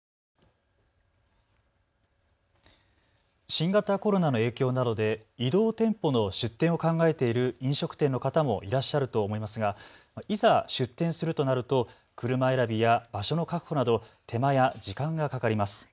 新型コロナの影響などで移動店舗の出店を考えている飲食店の方もいらっしゃると思いますが、いざ出店するとなると車選びや場所の確保など手間や時間がかかります。